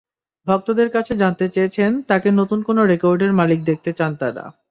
ভক্তদের কাছে জানতে চেয়েছেন, তাঁকে নতুন কোন রেকর্ডের মালিক দেখতে চান তাঁরা।